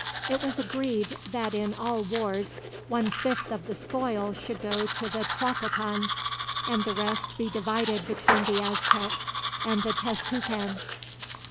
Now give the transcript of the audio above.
It was agreed that in all wars, one fifth of the spoil should go to the Tlacopans, and the rest be divided between the Aztecs and the Tezcucans.